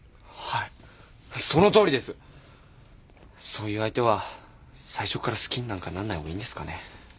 そういう相手は最初から好きになんかなんない方がいいんですかね。